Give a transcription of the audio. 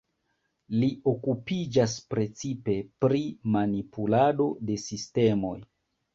Li okupiĝas precipe pri manipulado de sistemoj.